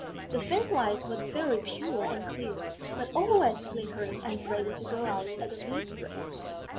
The faint light was very pure and clear, but always flickering and ready to go out at the least breath.